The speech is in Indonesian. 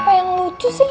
apa yang lucu sih